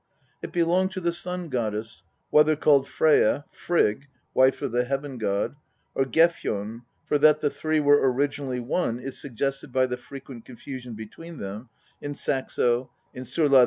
* It belonged to the Sun goddess, whether called Freyja, Frigg (wife of the heaven god), or Gefjon, for that the three were originally one is suggested by the frequent confusion between them, in Saxo, in S6rla)?